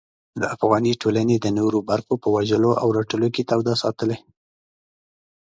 د افغاني ټولنې د نورو برخو په وژلو او رټلو کې توده ساتلې.